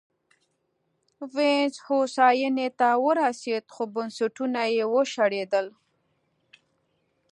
وینز هوساینې ته ورسېد خو بنسټونه یې وشړېدل